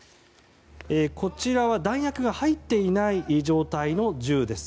こちらは弾薬が入っていない状態の銃です。